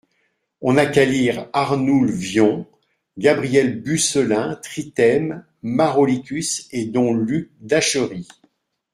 On n'a qu'à lire Arnoul Wion, Gabriel Bucelin, Trithème, Maurolicus et dom Luc d'Achery.